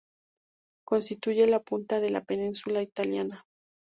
Constituye la punta de la península italiana.